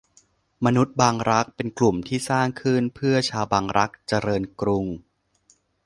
มนุษย์บางรัก เป็นกลุ่มที่สร้างขึ้นเพื่อชาวบางรัก เจริญกรุง